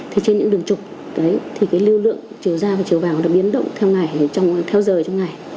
thì trên những đường trục lưu lượng chiều ra và chiều vào đã biến động theo giờ trong ngày